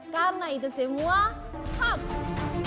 karena itu semua sucks